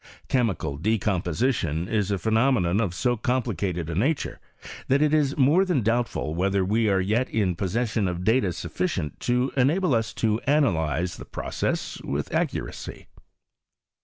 Chemical decomposition is a phenomenon of so complicated a nature, that it is more than doubtful whether we are yet in pos session of data sufficient to enable us to analyze the process with accuracy.